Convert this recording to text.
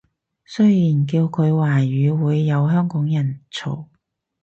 雖然叫佢華語會有香港人嘈